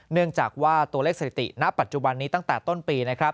เนื่องจากว่าตัวเลขสถิติณปัจจุบันนี้ตั้งแต่ต้นปีนะครับ